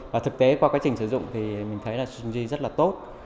và thực tế qua quá trình sử dụng thì mình thấy là stringy rất là tốt